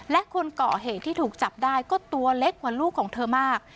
และคนก่อเหตุที่ถูกจับได้ก็ตัวเล็กกว่าลูกของเธอมาก